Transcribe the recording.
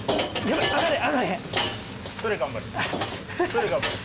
それ頑張れ。